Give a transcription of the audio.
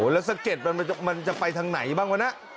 แล้วสักเจ็ดมันจะไปทางไหนบ้าง